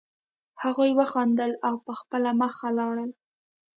هغوی وخندل او په خپله مخه لاړل